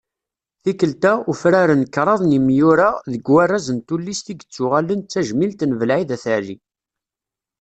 Tikkelt-a, ufraren kraḍ n yimyura deg warraz n tullist i yettuɣalen d tajmilt n Belɛid At Ɛli.